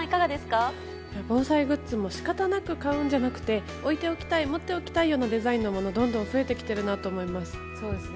防災グッズも仕方なく買うのではなくて置いておきたい持っておきたいようなデザインのものがどんどん増えてきていますよね。